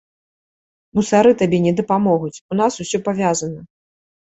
Мусары табе не дапамогуць, у нас усё павязана.